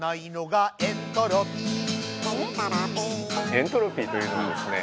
エントロピーというのはですね